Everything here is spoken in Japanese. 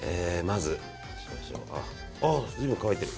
随分乾いてる。